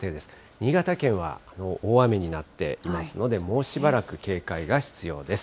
新潟県は大雨になっていますので、もうしばらく警戒が必要です。